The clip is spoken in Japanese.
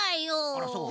あらそう？